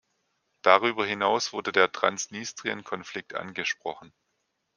Darüber hinaus wurde der Transnistrienkonflikt angesprochen.